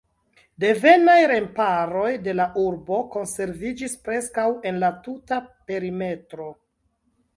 Devenaj remparoj de la urbo konserviĝis preskaŭ en la tuta perimetro.